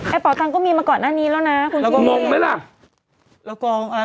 แอปเป๋าตังก็มีมาก่อนหน้านี้แล้วน่ะคุณพี่มงไหมล่ะแล้วกองเอ่อ